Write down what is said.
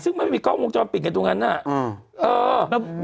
ซึ่งมันมีกล้องวงจรปิดไหนตรงกันน่ะเออแล้ว